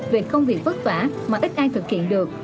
về công việc vất vả mà ít ai thực hiện được